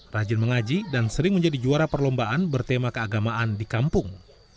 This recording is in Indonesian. rajin mengaji dan sering menjadi juara perlombaan bertema keagamaan di kampung